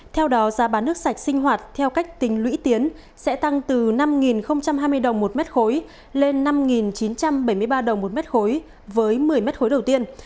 theo đó giá bán nước sạch sinh hoạt theo cách tính lũy tiến sẽ tăng từ năm hai mươi đồng một mét khối lên năm chín trăm bảy mươi ba đồng một mét khối với một mươi mét khối đầu tiên